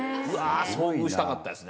遭遇したかったですね。